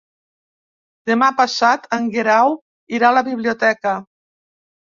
Demà passat en Guerau irà a la biblioteca.